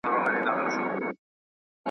د بدي خبري سل کاله عمر وي .